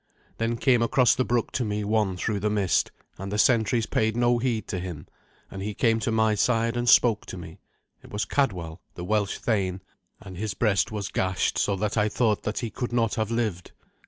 Then came across the brook to me one through the mist, and the sentries paid no heed to him, and he came to my side and spoke to me. It was Cadwal, the Welsh thane, and his breast was gashed so that I thought that he could not have lived.